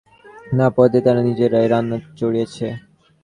মুসলমান প্রজার সংখ্যাই বেশি– রাত না পোয়াতেই তারা নিজেরাই রান্না চড়িয়েছে।